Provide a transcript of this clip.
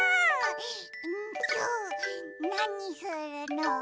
うんとなにするの？